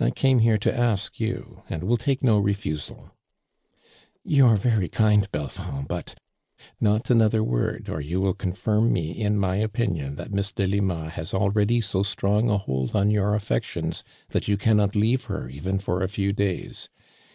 I came here to ask you and will take no refusal !"" You are very kind, Belfond, but "" Not another word, or you will confito me in my opinion that Miss Delima ha% al ready so strong a hold on your affections that you cannot leave her even for a ffew days.